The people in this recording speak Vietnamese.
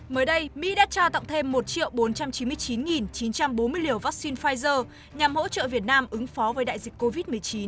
mới đây mỹ đã trao tặng thêm một bốn trăm chín mươi chín chín trăm bốn mươi liều vaccine pfizer nhằm hỗ trợ việt nam ứng phó với đại dịch covid một mươi chín